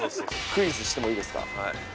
クイズしてもいいですか。